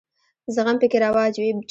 زغم پکې رواج وي.